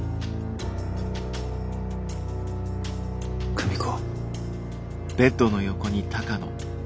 久美子。